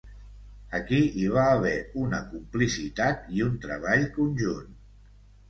Aquí hi va haver una complicitat i un treball conjunt.